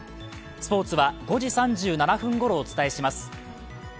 スポーツは５時３７分ごろお伝えします。